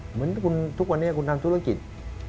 เหมือนคุณทุกวันนี้คุณทำธุรกิจ